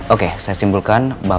okay kalau lambat